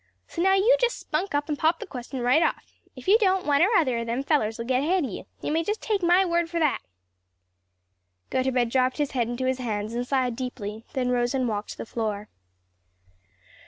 So now you just spunk up and pop the question right off. If you don't, one or other o' them fellers'll get ahead o' you; you may just take my word for that." Gotobed dropped his head into his hands and sighed deeply, then rose and walked the floor.